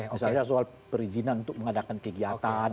misalnya soal perizinan untuk mengadakan kegiatan